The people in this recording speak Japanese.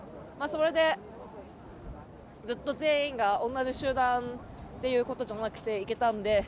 それでずっと全員が同じ集団ということじゃなくて行けたので。